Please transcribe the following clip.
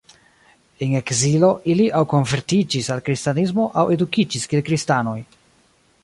En ekzilo ili aŭ konvertiĝis al kristanismo aŭ edukiĝis kiel kristanoj.